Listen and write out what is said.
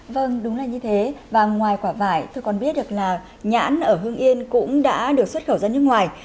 vâng đúng là như thế và ngoài quả vải tôi còn biết được là nhãn ở hương yên cũng đã được xuất khẩu ra nước ngoài